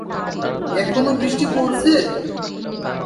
এখনো বৃষ্টি পরছে?